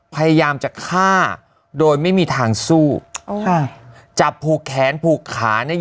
พยายามจะฆ่าโดยไม่มีทางสู้โอ้ค่ะจับผูกแขนผูกขาเนี่ย